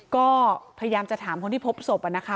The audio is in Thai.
ก็พยายามจะถามคนที่พบศพนะคะ